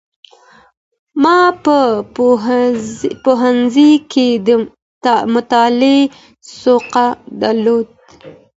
ما په پوهنځي کي د مطالعې سوق درلود.